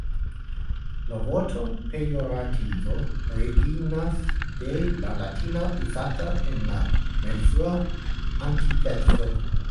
La vorto "pejorativo" originas de la latino uzata en la Malfrua Antikveco.